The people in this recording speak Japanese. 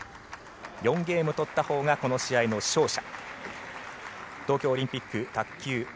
４ゲーム取ったほうがこの試合の勝者。